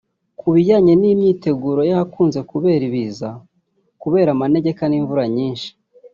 Ku bijyanye n’imyiteguro y’ahakunze kubera ibiza kubera amanegeka n’imvura nyinshi